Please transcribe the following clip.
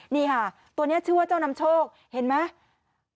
นี่ค่ะตัวนี้ชื่อว่าเจ้านำโชคเห็นไหม